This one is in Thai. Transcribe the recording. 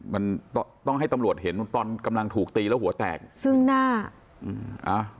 มันต้องต้องให้ตำรวจเห็นตอนกำลังถูกตีแล้วหัวแตกซึ่งหน้าอืมอ่า